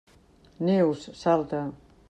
Neus, salta!